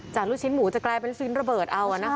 จากรูชชิ้นหมูจะกลายเป็นรูชชิ้นระเบิดเอาอ่ะนะคะ